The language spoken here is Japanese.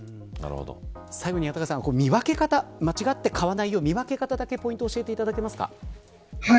最後に見分け方間違って買わないようポイントを教えていただけますか。